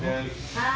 はい。